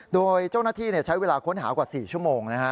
โดยเจ้าหน้าที่ใช้เวลาค้นหากว่า๔ชั่วโมงนะฮะ